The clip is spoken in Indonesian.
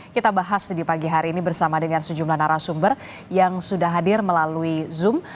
kita bahas di pagi hari ini bersama dengan sejumlah narasumber yang sudah hadir melalui zoom